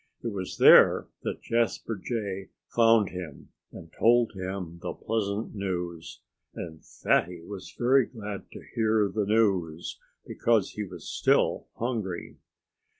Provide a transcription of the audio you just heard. It was there that Jasper Jay found him and told him the pleasant news. And Fatty was very glad to hear the news, because he was still hungry.